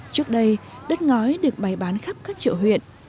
trước đây đất ngói được bày bán khắp các chợ huyện